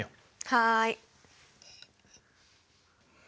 はい。